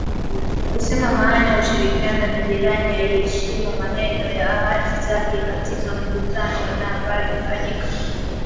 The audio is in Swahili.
Kusema maana ya ushirikiano na jirani aiyeheshimu maneno na ahadi zake katika mikutano kadhaa ambayo imefanyika